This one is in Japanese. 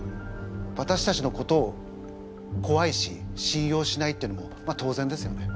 わたしたちのことをこわいし信用しないっていうのもまあ当然ですよね。